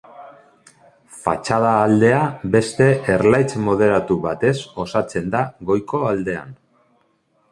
Fatxada aldea beste erlaitz moderatu batez osatzen da goiko aldean.